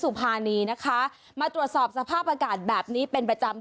ว่าไม่เปล่าไหมล่ะ